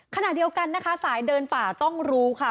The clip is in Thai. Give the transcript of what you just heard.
ขณะเดียวกันนะคะสายเดินป่าต้องรู้ค่ะ